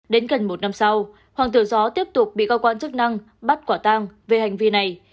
đến gần một năm sau hoàng tử gió tiếp tục bị cơ quan chức năng bắt quả tang về hành vi này